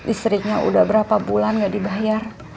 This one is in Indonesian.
istrinya udah berapa bulan gak dibayar